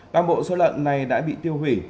đang bộ số lợn này đã bị tiêu hủy